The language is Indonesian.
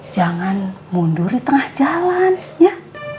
jangan mundur di tengah jalan ya